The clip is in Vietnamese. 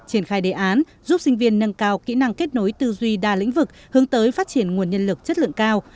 triển khai đề án giúp sinh viên nâng cao kỹ năng kết nối tư duy đa lĩnh vực hướng tới phát triển nguồn nhân lực chất lượng cao